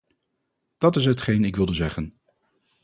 Dat is hetgeen ik wilde zeggen.